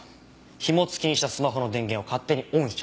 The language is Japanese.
ひも付きにしたスマホの電源を勝手にオンしちゃうやつ。